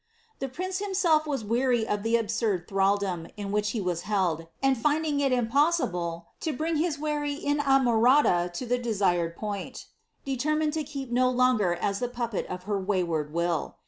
The prince himself was weary of the alisurd Ibraldom in which h' was held, and tiiiiling ii impossible to bring his wary inamoniia to thi desired point, deiermined to be kept no longer as the puppet of her wav ward will.